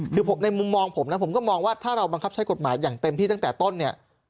คือในมุมมองผมนะผมก็มองว่าถ้าเราบังคับใช้กฎหมายอย่างเต็มที่ตั้งแต่ต้นเนี่ย